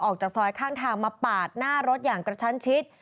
ออกจากซอยข้างทางมาปาดหน้ารถอย่างกระชั้นชิด